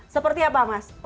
seperti apa mas